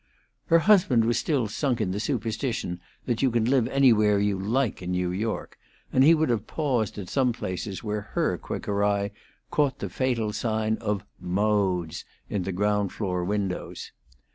Her husband was still sunk in the superstition that you can live anywhere you like in New York, and he would have paused at some places where her quicker eye caught the fatal sign of "Modes" in the ground floor windows.